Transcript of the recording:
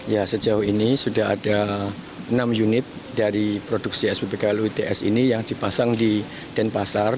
ya sejauh ini sudah ada enam unit dari produksi sppklu its ini yang dipasang di denpasar